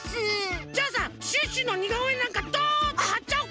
じゃあさシュッシュのにがおえなんかドンとはっちゃおうか！